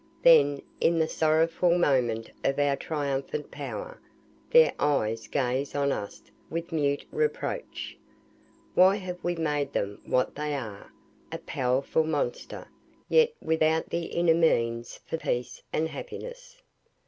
Then, in the sorrowful moment of our triumphant power, their eyes gaze on us with a mute reproach. Why have we made them what they are; a powerful monster, yet without the inner means for peace and happiness?